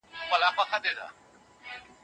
ماشوم د مور د مهربان غږ په تمه و.